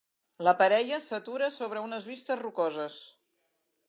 La parella s'atura sobre unes vistes rocoses.